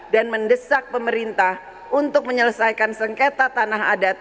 dan mendesak pemerintah untuk menyelesaikan sengketa tanah adat